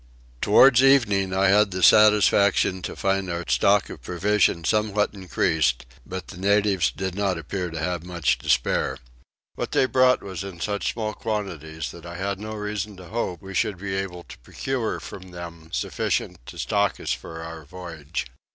Towards evening I had the satisfaction to find our stock of provisions somewhat increased, but the natives did not appear to have much to spare. What they brought was in such small quantities that I had no reason to hope we should be able to procure from them sufficient to stock us for our voyage.